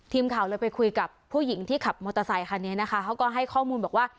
ทีมข่าวเลยไปคุยกับผู้หญิงที่ขับมอเตอร์ไซคันนี้นะคะเขาก็ให้ข้อมูลบอกว่า